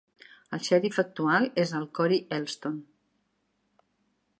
El xèrif actual és el Kory Elston.